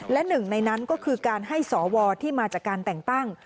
และหนึ่งในนั้นก็คือการให้สวที่มาจากการแต่งตั้ง